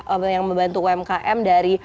apa yang membantu umkm dari